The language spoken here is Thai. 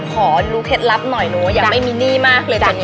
ขอดูเคล็ดลับหน่อยหนูยังไม่มีหนี้มากเลยตอนนี้